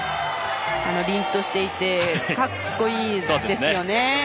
りんとしていてかっこいいですよね。